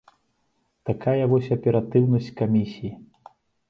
Такая вось аператыўнасць камісіі!